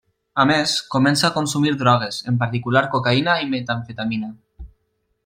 A més, comença a consumir drogues, en particular cocaïna i metamfetamina.